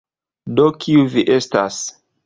Do kiu vi estas?